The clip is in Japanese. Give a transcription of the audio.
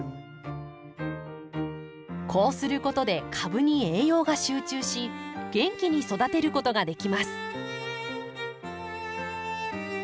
こうすることで株に栄養が集中し元気に育てることができます。